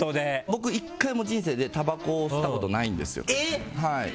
僕、１回も人生でたばこ吸ったことないんですよ。